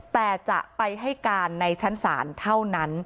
แต่จะไปให้การในชั้นศาลเท่านั้น